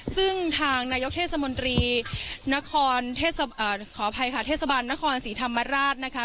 ซึ่งทางนายกเทศมนตรีนครขออภัยค่ะเทศบาลนครศรีธรรมราชนะคะ